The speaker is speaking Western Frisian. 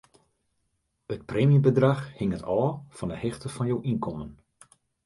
It preemjebedrach hinget ôf fan 'e hichte fan jo ynkommen.